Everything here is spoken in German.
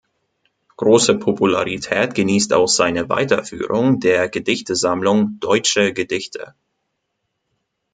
Große Popularität genießt auch seine Weiterführung der Gedichtesammlung "Deutsche Gedichte.